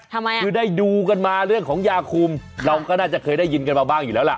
ทำไมอ่ะคือได้ดูกันมาเรื่องของยาคุมเราก็น่าจะเคยได้ยินกันมาบ้างอยู่แล้วล่ะ